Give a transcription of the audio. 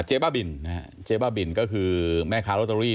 บ้าบินนะฮะเจ๊บ้าบินก็คือแม่ค้าโรตเตอรี่